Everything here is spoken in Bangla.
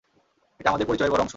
এটা আমাদের পরিচয়ের বড় অংশ।